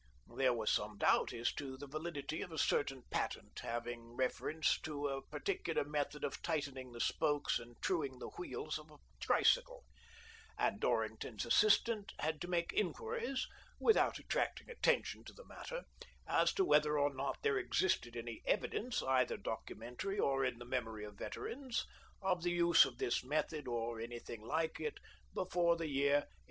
There was some doubt as to the validity of a certain patent having reference to a particular method of tightening the spokes and truing the wheels of a bicycle, and Dorrington's assistant '^AVALANCHE BICYCLE AND TYRE CO., LTD:' 155 had to make inquiries (without attracting atten tion to the matter) as to whether or not there existed any evidence, either documentary or in the memory of veterans, of the use of this method, or anything hke it, before the year 1885.